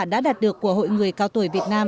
đã đạt được của hội người cao tuổi việt nam